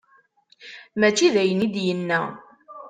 Mačči d ayen i d-yenna.